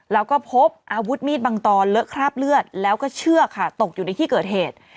แล้วก็พบอาวุธมีดบางตอนเลอะคราบเลือดแล้วก็เชือกค่ะตกอยู่ในที่เกิดเหตุ